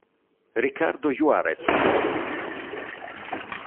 Ricardo Juarez